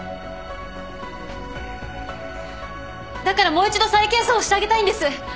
だからもう一度再検査をしてあげたいんです。